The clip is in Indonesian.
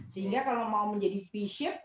sehingga kalau mau menjadi v ship